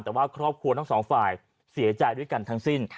แต่ว่าครอบครัวทั้งสองฝ่ายเสียใจด้วยกันทั้งสิ้น